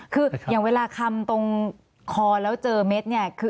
คืออย่างเวลาคำตรงคอแล้วเจอเม็ดเนี่ย